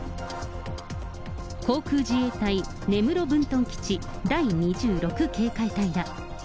航空自衛隊根室分屯基地第２６警戒隊だ。